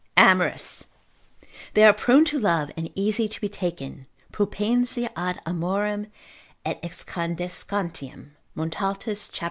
Amorous.] They are prone to love, and easy to be taken; Propensi ad amorem et excandescentiam (Montaltus cap.